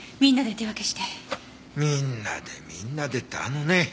みんなでみんなでってあのね